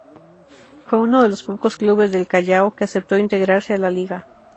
Fue uno de los pocos clubes del Callao, que aceptó integrarse a la liga.